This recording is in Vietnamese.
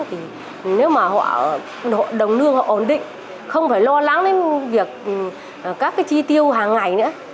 thì nếu mà họ đồng lương họ ổn định không phải lo lắng đến việc các cái chi tiêu hàng ngày nữa